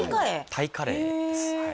タイカレーですはい